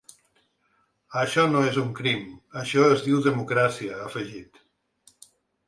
Això no és un crim, això es diu democràcia, ha afegit.